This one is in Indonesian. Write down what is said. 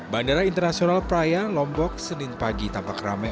bandara internasional praia lombok senin pagi tampak ramai